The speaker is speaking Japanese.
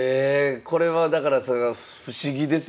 これはだから不思議ですよね。